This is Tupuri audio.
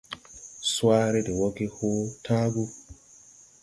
Swaare de wɔge hoo tããgu.